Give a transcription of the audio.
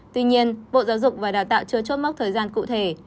tuy nhiên bộ giáo dục và đào tạo chưa chốt mốc thời gian cụ thể